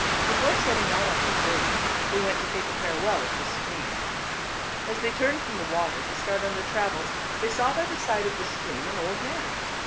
Before setting out on their journey they went to take a farewell of the stream. As they turned from the water to start on their trav els they saw by the side of the stream an old man.